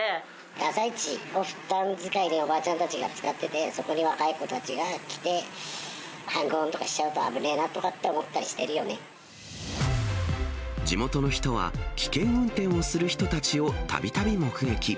朝市をふだん使いでおばあちゃんたちが使っていて、そこに若い子たちが来て、ハングオンとかしちゃうと、危ないなと思ってる地元の人は、危険運転をする人たちをたびたび目撃。